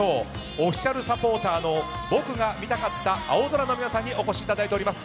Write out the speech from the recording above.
オフィシャルサポーターの僕が見たかった青空の皆さんにお越しいただいております。